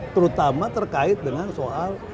terutama terkait dengan soal